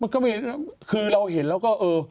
มันก็ไม่คือเราเห็นแล้วก็